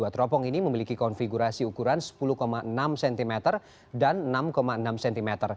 teropong ini memiliki konfigurasi ukuran sepuluh enam cm dan enam enam cm